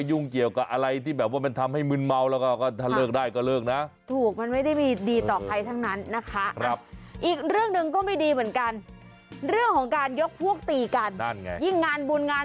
อยุ่งเกี่ยวกับอะไรที่มันทำให้มืนเมาแล้วก้เลิกได้นะ